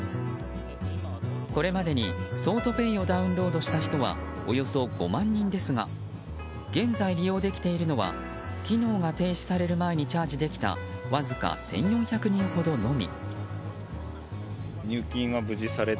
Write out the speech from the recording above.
これまでに桑都ペイをダウンロードした人はおよそ５万人ですが現在、利用できているのは機能が停止される前にチャージできたわずか１４００人ほどのみ。